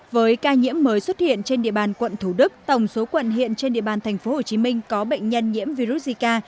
với ca nhiễm mới xuất hiện trên địa bàn quận thủ đức tổng số quận hiện trên địa bàn tp hcm có bệnh nhân nhiễm virus zika